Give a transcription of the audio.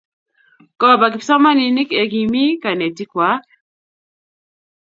Kopa kipsomaninik yekimi kanetik kwag